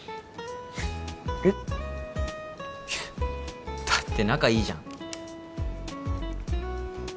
えっいやだって仲いいじゃん